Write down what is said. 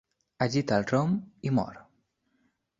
Agita el rom i mor.